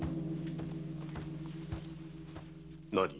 何？